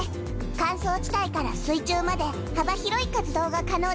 乾燥地帯から水中まで幅広い活動が可能です。